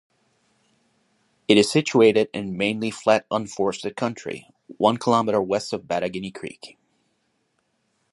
It is situated in mainly flat unforested country, one kilometre west of Baddaginnie Creek.